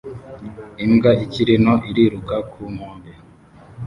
Imbwa ikiri nto iriruka ku nkombe